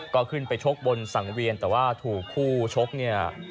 ก็ขึ้นไปชกบนสังเวียนแต่ว่าถูกคู่ชกเนี่ย